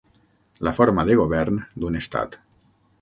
La forma de govern d'un estat.